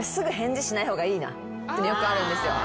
っていうのよくあるんですよ。